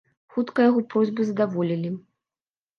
Хутка яго просьбу задаволілі.